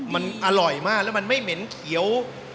มันอร่อยมากแล้วมันไม่เหม็นเขียว